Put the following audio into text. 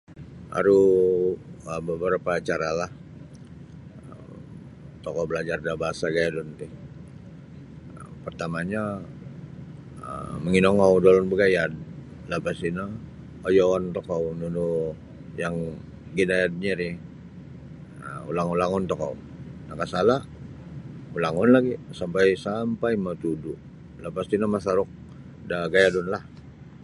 Aru um babarapa acaralah[um] tokou balajar da bahasa gayadun ti pertamanyo um manginogou da ulun bagayad lapas ino ayoon tokou nunu yang ginayadnyo ri um ulang-ulangun tokou nakasala ulangun lagi sampai sampai matudu' lapas tino masaruk da gayadunlah.